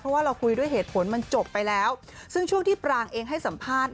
เพราะว่าเราคุยด้วยเหตุผลมันจบไปแล้วซึ่งช่วงที่ปรางเองให้สัมภาษณ์